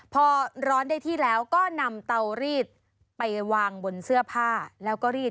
พอร้อนได้ที่แล้วก็นำเตารีดไปวางบนเสื้อผ้าแล้วก็รีด